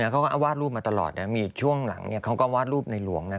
เขาก็วาดรูปมาตลอดนะมีช่วงหลังเขาก็วาดรูปในหลวงนะ